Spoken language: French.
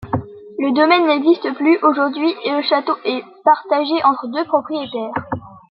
Le domaine n'existe plus aujourd'hui et le château est partagé entre deux propriétaires.